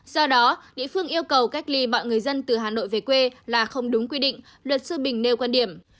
do đó địa phương yêu cầu cách ly mọi người dân từ hà nội về quê là không đúng quy định luật sư bình nêu quan điểm